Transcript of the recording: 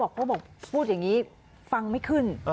แล้วคือช่วงนั้นเนี้ย